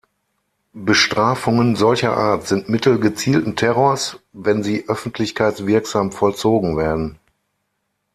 Bestrafungen solcher Art sind Mittel gezielten Terrors, wenn sie öffentlichkeitswirksam vollzogen werden.